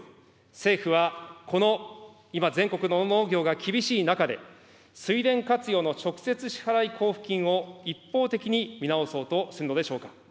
政府はこの今、全国の農業が厳しい中で、水田活用の直接支払い交付金を一方的に見直そうとするのでしょうか。